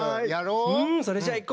うんそれじゃあいこう！